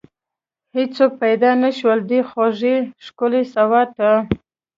هیڅوک پیدا نشول، دې خوږې ښکلې سودا ته